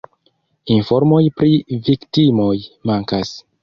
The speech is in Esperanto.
Informoj pri viktimoj mankas.